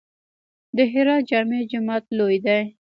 د هرات جامع جومات لوی دی